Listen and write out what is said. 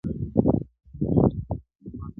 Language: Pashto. ستـړو ارمانـونو په آئينـه كي راتـه وژړل.